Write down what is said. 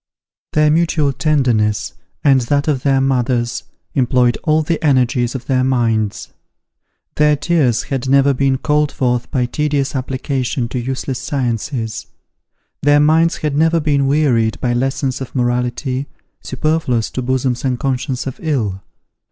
Their mutual tenderness, and that of their mothers, employed all the energies of their minds. Their tears had never been called forth by tedious application to useless sciences. Their minds had never been wearied by lessons of morality, superfluous to bosoms unconscious of ill.